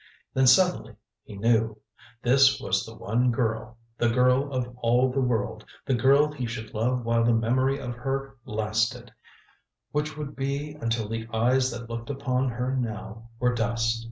Then suddenly he knew! This was the one girl, the girl of all the world, the girl he should love while the memory of her lasted, which would be until the eyes that looked upon her now were dust.